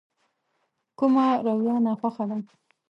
کومه رويه ناخوښه ده.